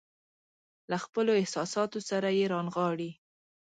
له خپلو احساساتو سره يې رانغاړي.